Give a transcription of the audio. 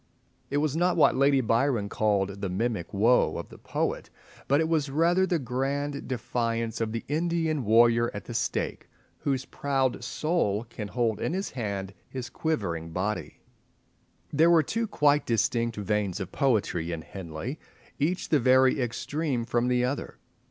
It was not what Lady Byron called "the mimic woe" of the poet, but it was rather the grand defiance of the Indian warrior at the stake, whose proud soul can hold in hand his quivering body. There were two quite distinct veins of poetry in Henley, each the very extreme from the other.